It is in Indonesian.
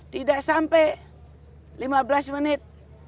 tidak sampai lima belas menit